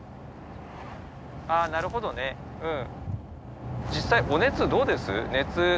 あなるほどね。うん。